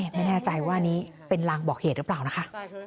ไม่แน่ใจว่าอันนี้เป็นลางบอกเหตุหรือเปล่านะคะ